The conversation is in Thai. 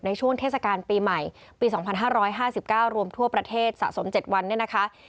ในช่วงเทศกาลปีใหม่ปี๒๕๕๙รวมทั่วประเทศสะสม๗วัน